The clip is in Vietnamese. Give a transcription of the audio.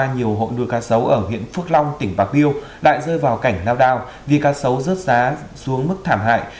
nuôi cá sấu ở huyện phước long tỉnh bạc biêu lại rơi vào cảnh lao đao vì cá sấu rớt giá xuống mức thảm hại